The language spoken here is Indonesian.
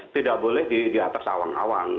tidak boleh di atas awang awang